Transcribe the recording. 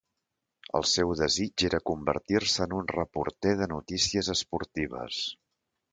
El seu desig era convertir-se en un reporter de notícies esportives.